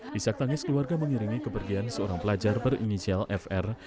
di saktangis keluarga mengiringi keberdian seorang pelajar berinisial fr